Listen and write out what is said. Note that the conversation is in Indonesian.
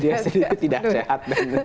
dia sendiri tidak sehat